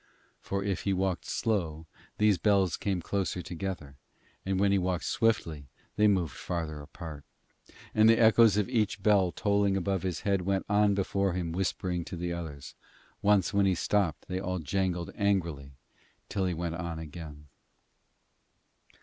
For if he walked slow, these bells came closer together, and when he walked swiftly they moved farther apart. And the echoes of each bell tolling above his head went on before him whispering to the others. Once when he stopped they all jangled angrily till he went on again.